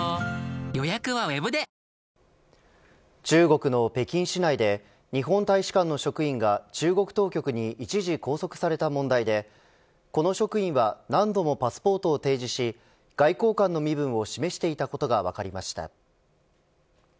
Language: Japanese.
中国の北京市内で日本大使館の職員が中国当局に一時拘束された問題でこの職員は何度もパスポートを提示し外交官の身分を示していたことが分かりました。